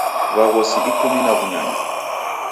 W'aghosi ikumi na w'unyanya.